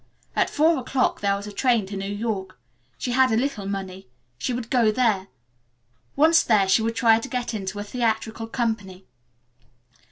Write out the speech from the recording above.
At four o 'clock there was a train to New York. She had a little money. She would go there. Once there she would try to get into a theatrical company.